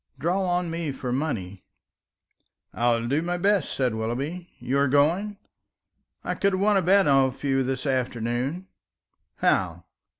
Draw on me for money." "I will do my best," said Willoughby. "You are going? I could have won a bet off you this afternoon." "How?"